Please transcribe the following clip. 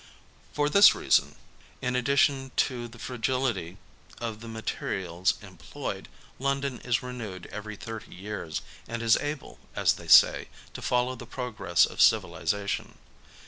For this reason, in addition to the fragility of the materials employed, London is renewed every thirty years, and is able, as they say, to follow the progress of civilization.